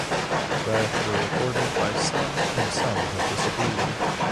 Riots were reported by some and some have disagreed.